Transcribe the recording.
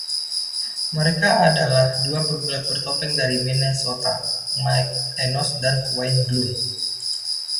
Mereka adalah dua pegulat bertopeng dari Minnesota, Mike Enos dan Wayne Bloom.